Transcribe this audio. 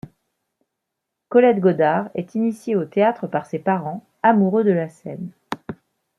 Colette Godard est initiée au théâtre par ses parents, amoureux de la scène.